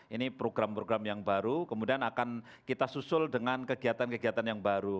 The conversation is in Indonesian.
ini program program yang baru kemudian akan kita susul dengan kegiatan kegiatan yang baru